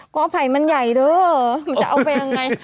ก่อไผ่มันใหญ่ด้วยมันจะเอาไปยังไง